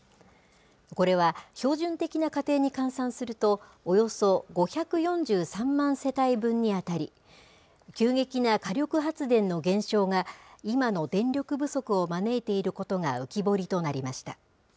これは標準的な家庭に換算すると、およそ５４３万世帯分に当たり、急激な火力発電の減少が、今の電力不足を招いていることが浮き彫りとなりました。